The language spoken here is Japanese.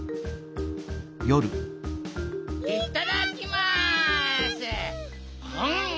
いただきます！